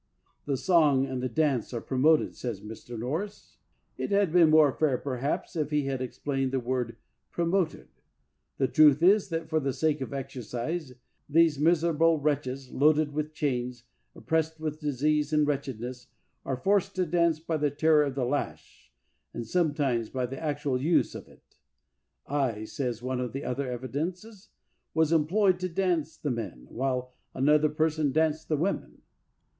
The song and the dance are promoted, says Mr. Norris. It had been more fair, perhaps, if he had explained that word "promoted." The truth is, that for the sake of exercise, these miserable wretches, loaded with chains, oppressed with disease and wretchedness, are forced to dance by the terror of the lash, and sometimes by the actual use of it. "I," says one of the other evidences, "was employed to dance the men, while another person danced the women."